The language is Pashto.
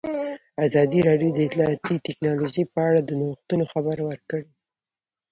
ازادي راډیو د اطلاعاتی تکنالوژي په اړه د نوښتونو خبر ورکړی.